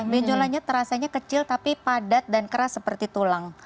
benjolannya terasa kecil tapi padat dan keras seperti tulang